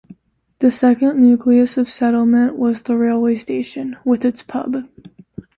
The second nucleus of settlement was the railway station, with its pub.